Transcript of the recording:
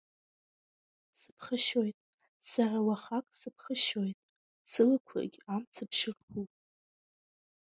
Сыԥхашьоит, сара уахак сыԥхашьоит, сылақәагь амцаԥшь рхуп.